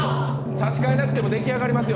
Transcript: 差し替えなくても出来上がりますよ。